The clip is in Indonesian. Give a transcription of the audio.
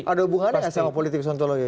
ada hubungannya dengan politik